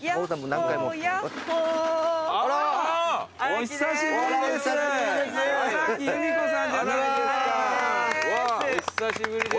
お久しぶりです。